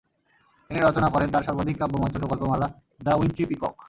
তিনি রচনা করেন তার সর্বাধিক কাব্যময় ছোটোগল্পমালা দ্য উইন্ট্রি পিকক।